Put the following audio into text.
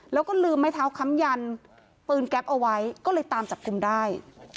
แล้วก็ลืมไม้เท้าค้ำยันปืนแก๊ปเอาไว้ก็เลยตามจับกลุ่มได้